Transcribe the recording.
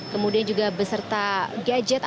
kemudian juga beserta gadget